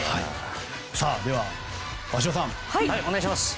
では鷲尾さん、お願いします。